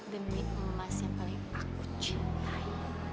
demi emas yang paling aku cintai